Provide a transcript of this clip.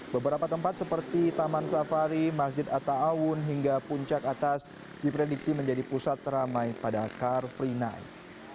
beberapa tempat seperti taman safari masjid atta awun hingga puncak atas diprediksi menjadi pusat ramai pada car free night